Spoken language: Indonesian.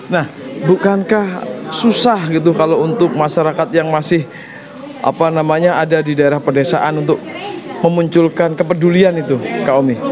nah bukankah susah gitu kalau untuk masyarakat yang masih ada di daerah pedesaan untuk memunculkan kepedulian itu